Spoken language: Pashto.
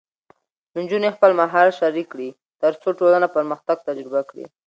نجونې خپل مهارت شریک کړي، ترڅو ټولنه پرمختګ تجربه کړي.